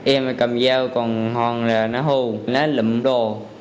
em cầm dao còn hòn là nó hồ nó lụm đồ